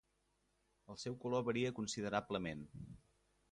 El seu color varia considerablement.